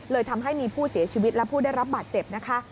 ทำให้มีผู้เสียชีวิตและผู้ได้รับบาดเจ็บนะคะ